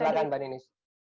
ya silakan mbak ninis